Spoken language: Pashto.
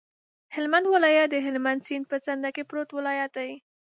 هلمند ولایت د هلمند سیند په څنډه کې پروت ولایت دی.